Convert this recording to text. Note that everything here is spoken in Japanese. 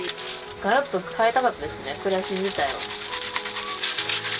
がらっと変えたかったですね、暮らし自体を。